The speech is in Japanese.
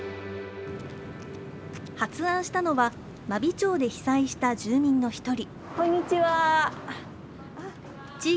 発案したのは、真備町で被災した住民の１人。